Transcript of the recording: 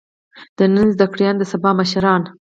د نن زده کړيالان د سبا مشران.